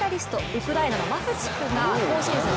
ウクライナのマフチクが今シーズン